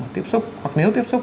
tiếp xúc hoặc nếu tiếp xúc